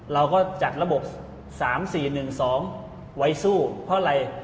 เราก็จัดระบบสามสี่หนึ่งสองไว้สู้เพราะอะไร